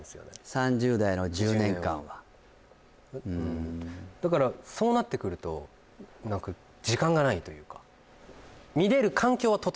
３０代の１０年間はだからそうなってくると広げ難しいよね